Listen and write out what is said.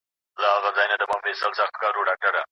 منځپانګه اوس ژر جوړیږي.